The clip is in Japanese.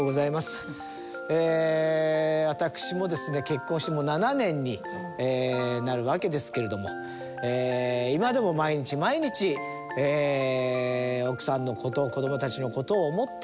結婚してもう７年になるわけですけれども今でも毎日毎日奥さんの事子どもたちの事を思って生きております。